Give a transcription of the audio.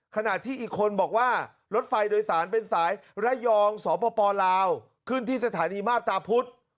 ขณะที่อีกคนบอกว่ารถไฟโดยสารเป็นสายระยองสปลาวขึ้นที่สถานีมาบตาพุธ